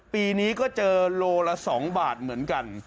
ปีนี้ก็เจอโลละ๒บาทเหมือนกัน